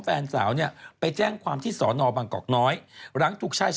แฟนสาวเนี่ยไปแจ้งความที่สอนอบางกอกน้อยหลังถูกชาย